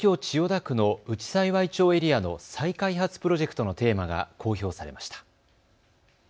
千代田区の内幸町エリアの再開発プロジェクトのテーマが公表されました。